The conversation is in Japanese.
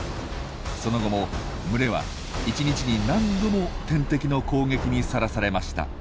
その後も群れは一日に何度も天敵の攻撃にさらされました。